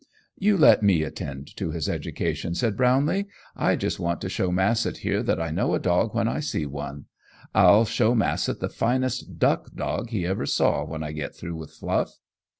"You let me attend to his education," said Brownlee. "I just want to show Massett here that I know a dog when I see one. I'll show Massett the finest duck dog he ever saw when I get through with Fluff."